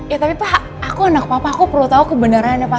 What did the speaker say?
ya tapi pak aku anak papa aku perlu tahu kebenarannya pak